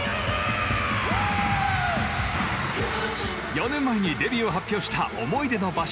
４年前にデビューを発表した思い出の場所